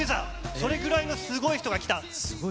そのぐらいすごい人が来た。